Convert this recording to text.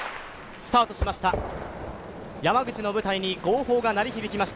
スタートしました。